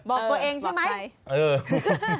บอกตัวเองใช่ไหม